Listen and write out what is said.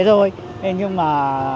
thôi nhưng mà